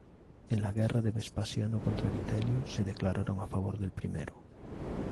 En la guerra de Vespasiano contra Vitelio se declararon a favor del primero.